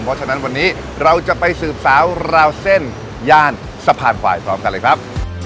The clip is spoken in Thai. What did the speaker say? เพราะฉะนั้นวันนี้เราจะไปสืบสาวราวเส้นย่านสะพานควายพร้อมกันเลยครับ